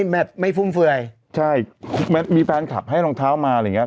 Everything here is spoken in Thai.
แบบไม่ฟุ่มเฟื่อยใช่มีแพลนขับให้รองเท้ามาอะไรอย่างเงี้ย